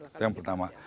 itu yang pertama